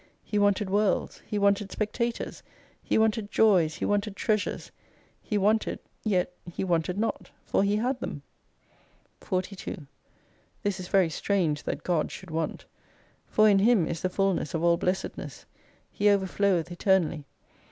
He wanted Worlds, He wanted Spectators, He wanted Joys, He wanted Treasures. He wanted, yet He wanted not, for He had them. 42 This is very strange that God should want. For in Him is the fulness of all Blessedness : He overfloweth eternally.